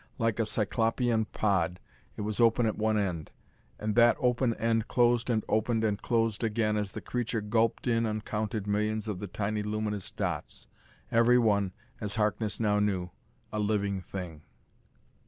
Like a cyclopean pod, it was open at one end, and that open end closed and opened and closed again as the creature gulped in uncounted millions of the tiny, luminous dots every one, as Harkness now knew, a living thing.